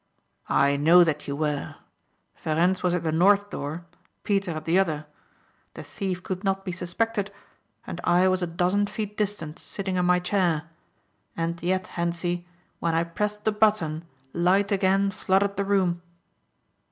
"I know that you were. Ferencz was at the north door, Peter at the other. The thief could not be suspected and I was a dozen feet distant sitting in my chair. And yet, Hentzi, when I pressed the button light again flooded the room."